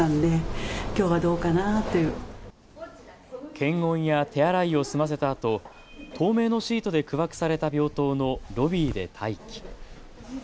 検温や手洗いを済ませたあと透明のシートで区分けされた病棟のロビーで待機。